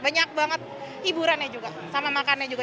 banyak banget hiburannya juga sama makannya juga